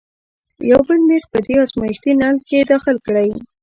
یو بل میخ په دې ازمیښتي نل کې داخل کړئ.